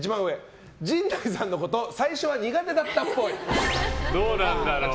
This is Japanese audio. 陣内さんのこと最初は苦手だったっぽい。